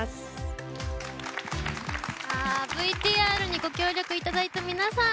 ＶＴＲにご協力いただいた皆さん